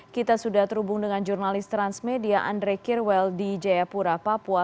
kita sudah terhubung dengan jurnalis transmedia andre kirwel di jayapura papua